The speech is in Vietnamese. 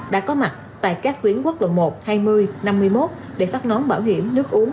đã có mặt tại các tuyến quốc lộ một hai mươi năm mươi một để phát nón bảo hiểm nước uống